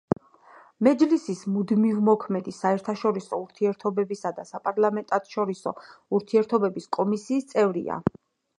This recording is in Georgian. მეჯლისის მუდმივმოქმედი საერთაშორისო ურთიერთობებისა და საპარლამენტთაშორისო ურთიერთობების კომისიის წევრია.